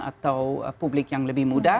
atau publik yang lebih muda